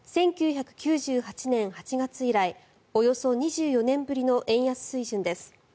１９９８年８月以来およそ２４年ぶりの円安水準です。